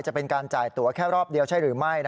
จะเป็นการจ่ายตัวแค่รอบเดียวใช่หรือไม่